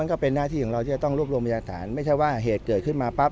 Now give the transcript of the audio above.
ก็เป็นหน้าที่ของเราที่จะต้องรวบรวมพยาฐานไม่ใช่ว่าเหตุเกิดขึ้นมาปั๊บ